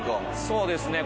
そうですね。